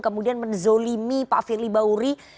kemudian menzolimi pak firly bauri